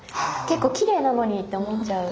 結構きれいなのにって思っちゃう。